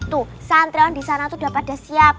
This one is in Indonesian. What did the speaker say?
tuh santriwan disana tuh udah pada siap